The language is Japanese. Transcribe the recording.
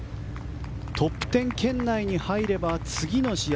トップ１０圏内に入れば次の試合